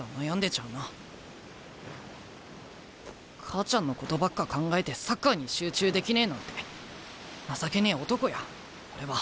母ちゃんのことばっか考えてサッカーに集中できねえなんて情けねえ男や俺は。